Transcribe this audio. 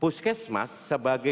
puskesmas sebagai gaya